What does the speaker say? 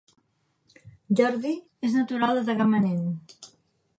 Jordi és natural de Tagamanent